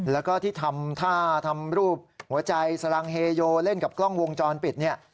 แล้วก็ที่ทำท่าทำรูปหัวใจสลังเฮโยเล่นกับกล้องวงจรปิดเนี่ย